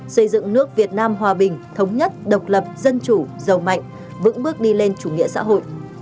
xây dựng nước việt nam hòa bình thống nhất độc lập dân chủ giàu mạnh vững bước đi lên chủ nghĩa xã hội